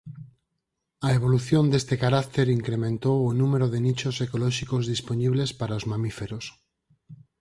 A evolución deste carácter incrementou o número de nichos ecolóxicos dispoñibles para os mamíferos.